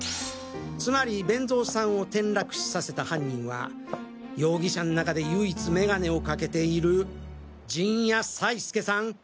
つまり勉造さんを転落死させた犯人は容疑者ん中で唯一眼鏡をかけている陣屋才輔さん！